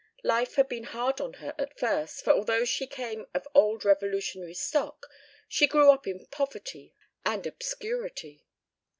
Life had been hard on her at first, for although she came of old Revolutionary stock she grew up in poverty and obscurity.